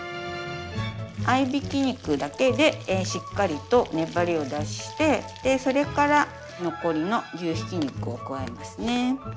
合いびき肉だけでしっかりと粘りを出してそれから残りの牛ひき肉を加えますね。